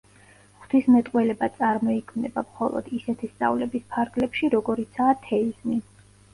ღვთისმეტყველება წარმოიქმნება მხოლოდ ისეთი სწავლების ფარგლებში, როგორიცაა თეიზმი.